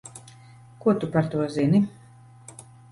Ko tu par to zini?